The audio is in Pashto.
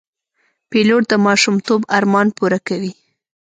پیلوټ د ماشومتوب ارمان پوره کوي.